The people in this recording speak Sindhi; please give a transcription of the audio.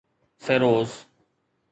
فيروز